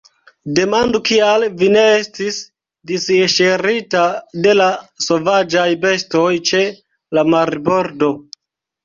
Demandu, kial vi ne estis disŝirita de la sovaĝaj bestoj ĉe la marbordo.